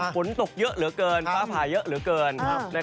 ฝนตกเยอะเหลือเกินฟ้าผ่าเยอะเหลือเกิน